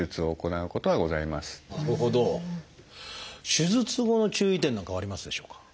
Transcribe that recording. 手術後の注意点なんかはありますでしょうか？